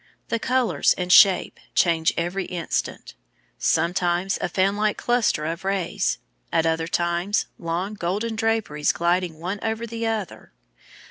The colours and shape change every instant; sometimes a fan like cluster of rays, at other times long golden draperies gliding one over the other.